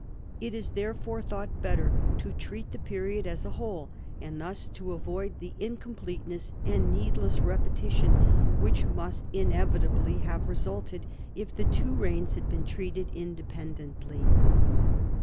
It is therefore thought better to treat the period as a whole, and thus to avoid the incompleteness and needless repetition which must inevitably have resulted if the two reigns had been treated independently.